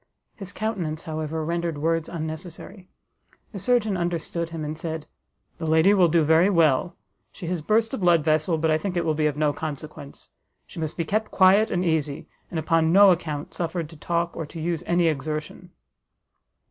His countenance, however, rendered words unnecessary; the surgeon understood him, and said, "The lady will do very well; she has burst a blood vessel, but I think it will be of no consequence. She must be kept quiet and easy, and upon no account suffered to talk, or to use any exertion."